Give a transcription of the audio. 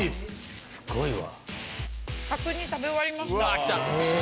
すごいわ。